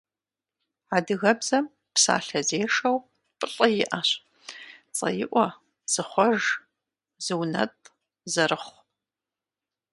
Адыгэбзэм псалъэзешэу плӏы иӏэщ: цӏэиӏуэ, зыхъуэж, зыунэтӏ, зэрыхъу.